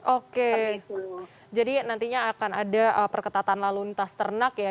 oke jadi nantinya akan ada perketatan lalu lintas ternak ya